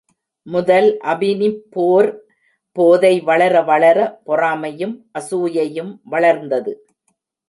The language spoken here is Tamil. முதல் அபினிப் போர் போதை வளர வளர பொறாமையும், அசூயையும் வளர்ந்தது.